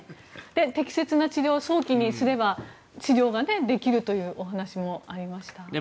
適切な治療を早期にすれば治療ができるというお話もありました。